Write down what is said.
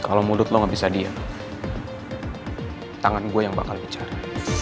kalau mulut lo gak bisa diam tangan gue yang bakal bicara